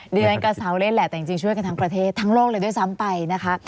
เดือนกระเซาเล่นแหละแต่จริงช่วยกันทั้งประเทศทั้งโลกเลยด้วยซ้ำไปนะคะ